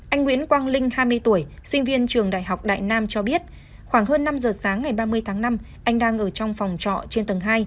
anh nguyễn quang linh hai mươi tuổi sinh viên trường đại học đại nam cho biết khoảng hơn năm giờ sáng ngày ba mươi tháng năm anh đang ở trong phòng trọ trên tầng hai